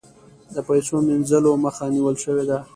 د پیسو مینځلو مخه نیول شوې ده؟